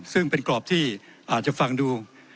ซึ่งเป็นกรอบที่อาจจะฟังดู